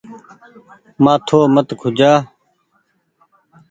مآٿو مت کوجآ۔